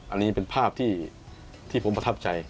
อันนี้เป็นภาพที่ผมประทับใจ